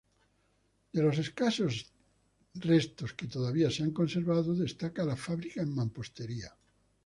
De los escasos restos que todavía se han conservado destaca la fábrica en mampostería.